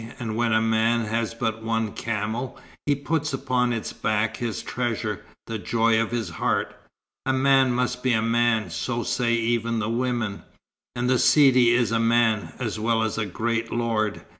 And when a man has but one camel, he puts upon its back his treasure, the joy of his heart. A man must be a man, so say even the women. And the Sidi is a man, as well as a great lord.